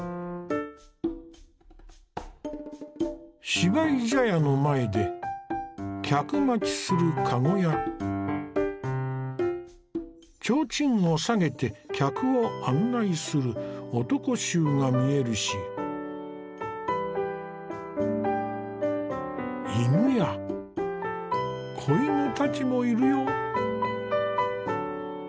芝居茶屋の前で客待ちする駕籠や提灯を下げて客を案内する男衆が見えるし犬や子犬たちもいるよ。